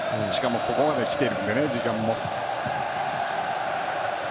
ここまで来ているので時間も。